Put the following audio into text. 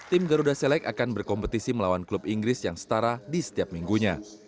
tim garuda select akan berkompetisi melawan klub inggris yang setara di setiap minggunya